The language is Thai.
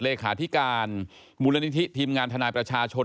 เลขาธิการมูลนิธิทีมงานทนายประชาชน